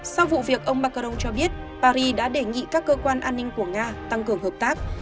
sau vụ việc ông macron cho biết paris đã đề nghị các cơ quan an ninh của nga tăng cường hợp tác